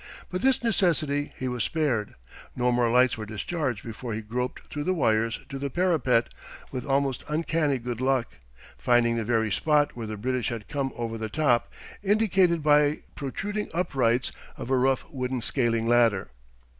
But this necessity he was spared; no more lights were discharged before he groped through the wires to the parapet, with almost uncanny good luck, finding the very spot where the British had come over the top, indicated by protruding uprights of a rough wooden scaling ladder.